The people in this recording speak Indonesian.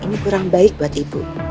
ini kurang baik buat ibu